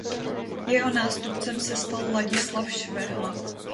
Jeho nástupcem se stal Ladislav Švehla.